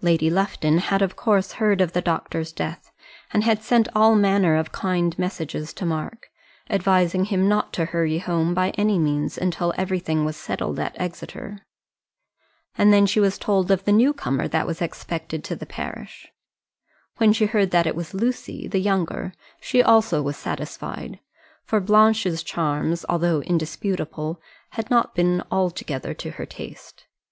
Lady Lufton had of course heard of the doctor's death, and had sent all manner of kind messages to Mark, advising him not to hurry home by any means until everything was settled at Exeter. And then she was told of the new comer that was expected in the parish. When she heard that it was Lucy, the younger, she also was satisfied; for Blanche's charms, though indisputable, had not been altogether to her taste.